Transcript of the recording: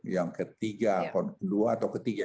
yang ketiga dua atau ketiga